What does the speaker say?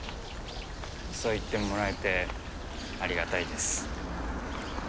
そう言ってもらえてありがたいです。